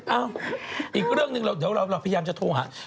เอ้าอีกเรื่องหนึ่งเดี๋ยวเราพยายามจะโทรหา